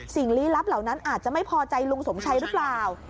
ลี้ลับเหล่านั้นอาจจะไม่พอใจลุงสมชัยหรือเปล่า